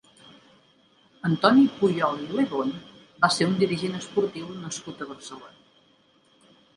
Antoni Puyol i Lebón va ser un dirigent esportiu nascut a Barcelona.